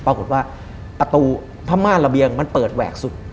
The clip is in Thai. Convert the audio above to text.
ปรากฏว่าประตูพม่านระเบียงมันเปิดแหวกสุด